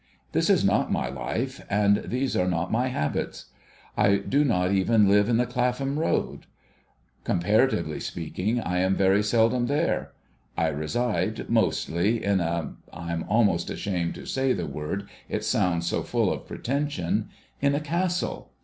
This is not my life, and these are not my habits. I do not even live in the ('lapham Road. Coiii . jjaratively speakinji^, I am very seldom there. I reside, mostly, in a — I am almost asliamed to say the word, it sounds so full of pre tension— in a Castle.